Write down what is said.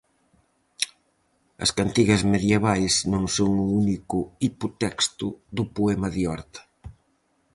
As cantigas medievais non son o único hipotexto do poema de Horta.